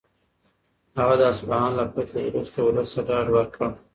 هغه د اصفهان له فتحې وروسته ولس ته ډاډ ورکړ.